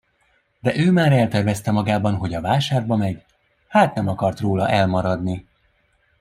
De ő már eltervezte magában, hogy a vásárba megy, hát nem akart róla elmaradni.